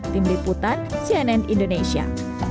tim liputan cnn indonesia